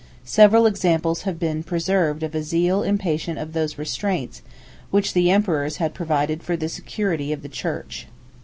Several examples have been preserved of a zeal impatient of those restraints which the emperors had provided for the security of the church.